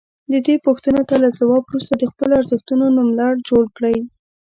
دې پوښتنو ته له ځواب وروسته د خپلو ارزښتونو نوملړ جوړ کړئ.